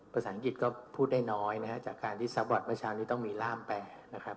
ภาษาอังกฤษก็พูดได้น้อยนะฮะจากการที่ซัพวอร์ตเมื่อเช้านี้ต้องมีร่ามแปรนะครับ